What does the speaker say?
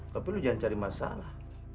tapi lu jangan cari masalah